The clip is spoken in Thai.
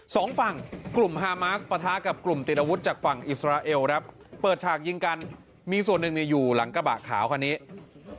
สองฝั่งกลุ่มฮามาสปะทะกับกลุ่มติดอาวุธจากฝั่งอิสราเอลครับเปิดฉากยิงกันมีส่วนหนึ่งอยู่หลังกระบะขาวคันนี้